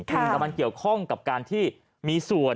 แต่มันเกี่ยวข้องกับการที่มีส่วน